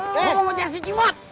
gue mau ngejar si cimot